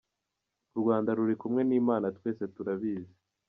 U Rwanda ruri kumwe n’Imana twese turabizi.”